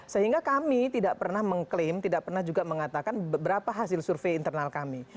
sehingga kami tidak pernah mengklaim tidak pernah juga mengatakan berapa hasil survei internal kami